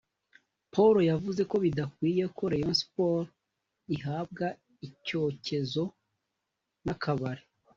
Paul yavuze ko bidakwiye ko ‘Rayon Sports ihabwa icyokezo n’akabari’